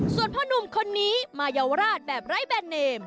ส่วนพ่อนุ่มคนนี้มาเยาวราชแบบไร้แบรนเนม